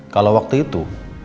kalau waktu itu